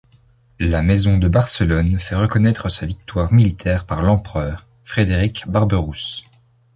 La maison de Barcelone fait reconnaître sa victoire militaire par l'empereur, Frédéric Barberousse.